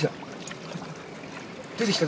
出てきた。